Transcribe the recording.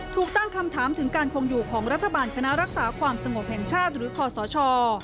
ถูกตั้งคำถามถึงการคงอยู่ของรัฐบาลคณะรักษาความสงบแห่งชาติหรือคอสช